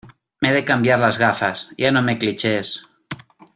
Me he de cambiar las gafas, ya no me clichés.